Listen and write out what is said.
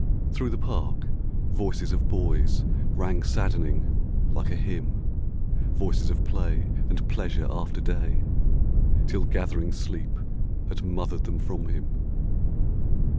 Through the park Voices of boys rang saddening like a hymn, es of play and pleasure after day, Till gathering sleep had mothered them from him.